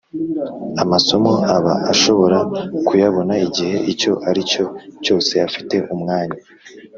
amasomo aba ashobora kuyabona igihe icyo aricyo cyose afite umwanya